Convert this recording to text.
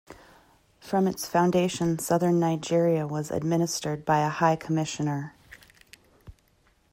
From its foundation southern Nigeria was administered by a high commissioner.